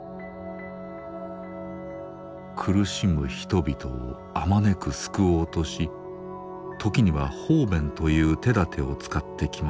苦しむ人々をあまねく救おうとし時には方便という手立てを使ってきました。